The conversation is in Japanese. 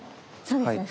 そうですね。